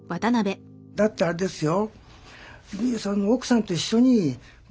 だってあれですよ